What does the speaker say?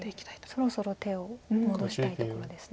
そろそろ手を戻したいところです。